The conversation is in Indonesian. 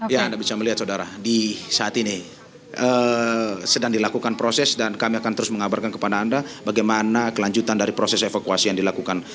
ya anda bisa melihat saudara di saat ini sedang dilakukan proses dan kami akan terus mengabarkan kepada anda bagaimana kelanjutan dari proses evakuasi yang dilakukan